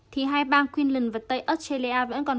thì hai bang queensland và tây australia vẫn còn